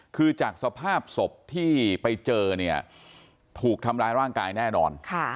คือจากสภาพศพที่ไปเจอเนี่ยถูกทำร้ายร่างกายแน่นอน